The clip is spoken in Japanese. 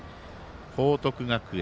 報徳学園。